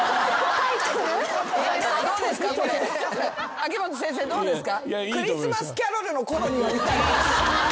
秋元先生どうですか？